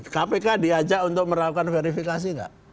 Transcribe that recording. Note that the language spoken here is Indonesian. kpk diajak untuk melakukan verifikasi nggak